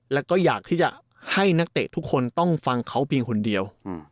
แล้วก็อยากที่จะให้นักเตะทุกคนต้องฟังเขาเพียงคนเดียว